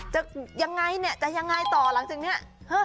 จะยังไงเนี่ยจะยังไงต่อหลังจากนี้